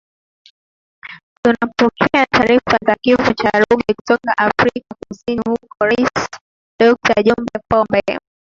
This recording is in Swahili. tunapokea taarifa za kifo cha Ruge kutokea Afrika kusini huku Rais Dokta Jombe Pombe